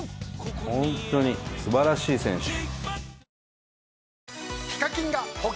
ほんとにすばらしい選手。